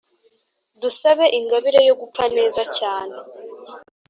dusabe ingabire yo gupfa neza cyane